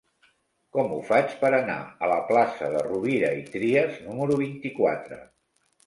Com ho faig per anar a la plaça de Rovira i Trias número vint-i-quatre?